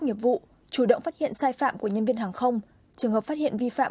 nghiệp vụ chủ động phát hiện sai phạm của nhân viên hàng không trường hợp phát hiện vi phạm